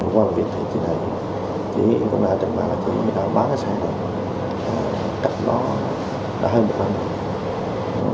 qua việc thấy chị này chị cũng đã bán xe này cặp nó đã hơn một năm